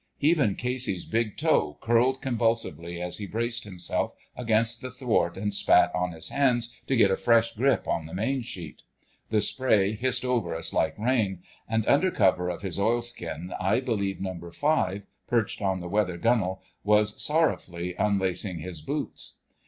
Even Casey's big toe curled convulsively as he braced himself against the thwart and spat on his hands to get a fresh grip on the main sheet. The spray hissed over us like rain, and, under cover of his oilskin, I believe No. 5, perched on the weather gunwale, was sorrowfully unlacing his boots.